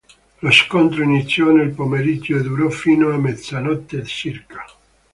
Lo scontro iniziò nel pomeriggio e durò fino a mezzanotte circa.